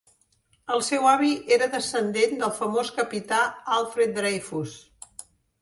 El seu avi era descendent del famós capità Alfred Dreyfus.